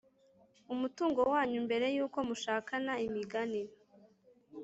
umutungo wanyu mbere y uko mushakana Imigani